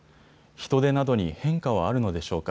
人出などに変化はあるのでしょうか。